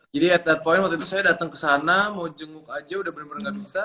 jadi at that point waktu itu saya datang kesana mau jenguk aja udah bener bener gak bisa